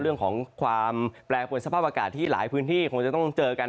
เรื่องของความแปรปวนสภาพอากาศที่หลายพื้นที่คงจะต้องเจอกัน